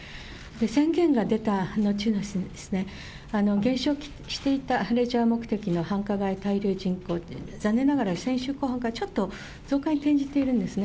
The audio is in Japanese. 宣言が出た後、減少していたレジャー目的の繁華街滞留人口、残念ながら先週後半からちょっと増加に転じているんですね。